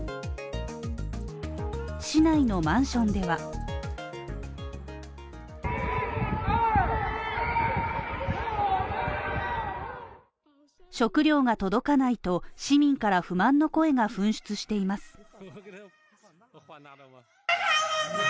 市内のマンションでは食料が届かないと市民から不満の声が噴出しています。